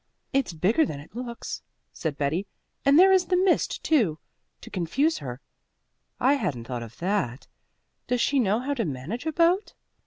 "It's bigger than it looks," said Betty, "and there is the mist, too, to confuse her." "I hadn't thought of that. Does she know how to manage a boat?"